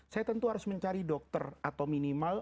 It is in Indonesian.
saya tentu harus mencari dokter atau minimal